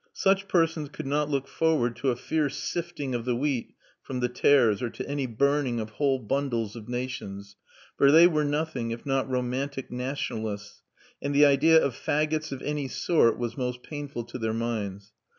Such persons could not look forward to a fierce sifting of the wheat from the tares, or to any burning of whole bundles of nations, for they were nothing if not romantic nationalists, and the idea of faggots of any sort was most painful to their minds.